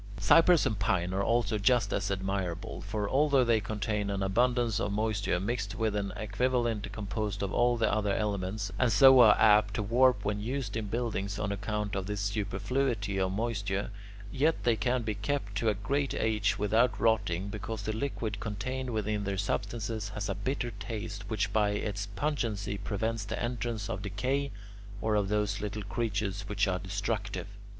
Cypress and pine are also just as admirable; for although they contain an abundance of moisture mixed with an equivalent composed of all the other elements, and so are apt to warp when used in buildings on account of this superfluity of moisture, yet they can be kept to a great age without rotting, because the liquid contained within their substances has a bitter taste which by its pungency prevents the entrance of decay or of those little creatures which are destructive.